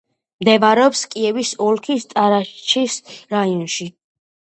მდებარეობს კიევის ოლქის ტარაშჩის რაიონში.